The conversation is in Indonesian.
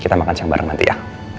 kita makan siang bareng nanti ya